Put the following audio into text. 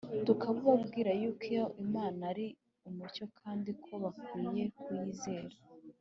tukabubabwira yuko Imana ari umucyo kandi ko bakwiye kuyizera